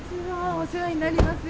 お世話になります。